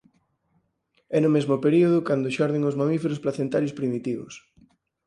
É no mesmo período cando xorden os mamíferos placentarios primitivos.